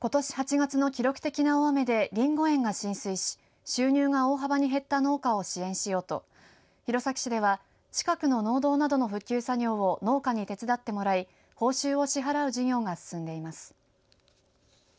ことし８月の記録的な大雨でりんご園が浸水し収入が大幅に減った農家を支援しようと弘前市では近くの農道などの復旧作業を農家に手伝ってもらい報酬を支払う事業が進んでいます。